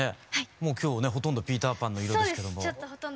もう今日ねほとんどピーター・パンの色ですけども。